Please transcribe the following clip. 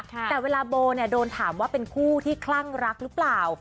แต่เวลาโบเนี่ยโดนถามว่าเป็นคู่ที่คลั่งรักหรือเปล่า